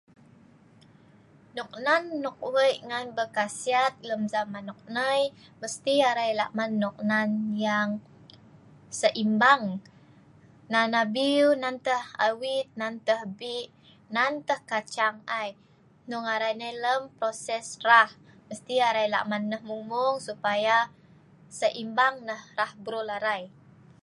Noknan nok wei' ngan berkasiat lem zaman noknai mesti arai lahman noknan yang seimbang. nan abiu, nan tah awit, nan tah bi, nan tah kacang ai. Hnong arai nai lem proses rah. Mesti arai lahman nah mung-mung supaya seimbang nah rah brul arai.